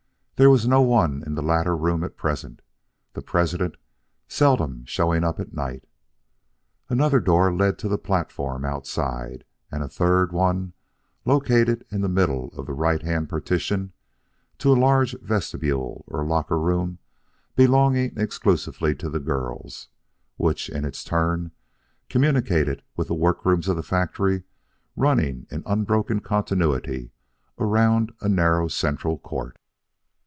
There was no one in the latter room at present, the president seldom showing up at night. Another door led to the platform outside, and a third one, located in the middle of the right hand partition, to a large vestibule or locker room belonging exclusively to the girls, which in its turn communicated with the work rooms of the factory running in unbroken continuity around a narrow central court.